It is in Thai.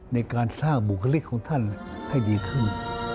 ในการสร้างบุคลิกของท่านให้ดีขึ้น